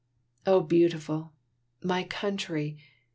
O Beautiful! my Country!